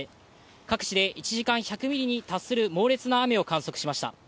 各地で１時間１００ミリに達する猛烈な雨を観測しました。